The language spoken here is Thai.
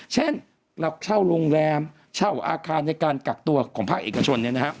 เช่นเราเช่าโรงแรมเช่าอาคารในการกักตัวของภาคเอกชน